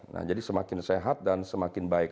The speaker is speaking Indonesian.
nah jadi semakin sehat dan semakin baik